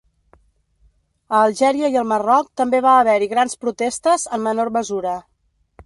A Algèria i el Marroc també va haver-hi grans protestes, en menor mesura.